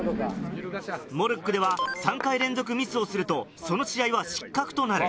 モルックでは３回連続ミスをするとその試合は失格となる。